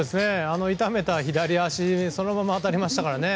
あの痛めた左足にそのまま当たりましたからね。